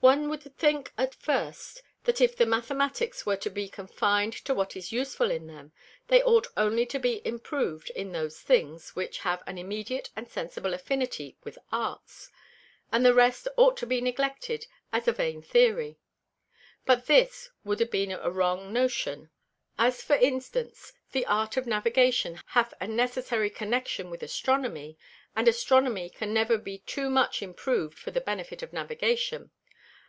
One wou'd think at first, that if the Mathematicks were to be confin'd to what is useful in them, they ought only to be improv'd in those things, which have an immediate and sensible affinity with Arts, and the rest ought to be neglected as a Vain Theory. But this wou'd be a very wrong Notion. As for Instance, the Art of Navigation hath a necessary Connexion with Astronomy, and Astronomy can never be too much improv'd for the Benefit of Navigation.